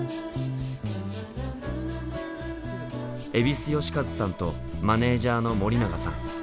蛭子能収さんとマネージャーの森永さん。